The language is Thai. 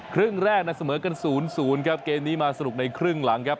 ครึ่งแรกนะเสมอกัน๐๐ครับเกมนี้มาสนุกในครึ่งหลังครับ